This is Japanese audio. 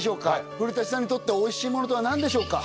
古さんにとって「おいしいもの」とは何でしょうか？